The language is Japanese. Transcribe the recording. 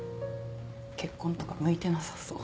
結婚とか向いてなさそう。